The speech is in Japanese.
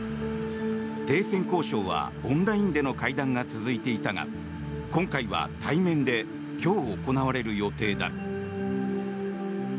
停戦交渉はオンラインでの会談が続いていたが今回は対面で今日、行われる予定だ。